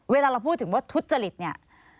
เวลาเราพูดถึงว่าทุจจฤทธิ์